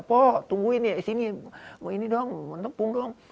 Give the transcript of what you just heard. poh tungguin ya di sini ini doang tepung doang